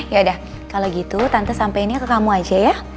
yaudah kalau gitu tante sampeinnya ke kamu aja ya